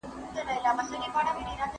خلګ د روغتيائي ټولنپوهني هرکلی کوي.